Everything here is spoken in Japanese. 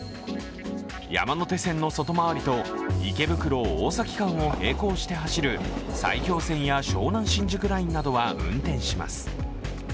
山手線の外回りと池袋、大崎間を並行して走る埼京線や湘南新宿ラインなどは運転します。